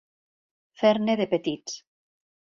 Fer-ne de petits.